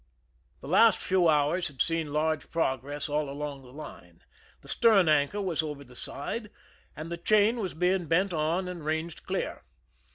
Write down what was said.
The last few hours had seen large progress all along the line. The stern anchor was over the side, and the chain was being bent on and ranged clear.